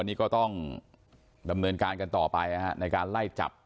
นี่ก็ต้องดำเนินการกันต่อไปในการไล่จับ